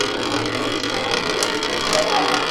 Bunday dehqon uchun yer vaqtinchalik bir matoh, xolos.